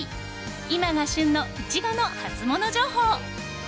今が旬のイチゴのハツモノ情報。